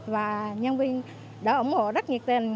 và nhân viên đã ủng hộ rất nhiệt tình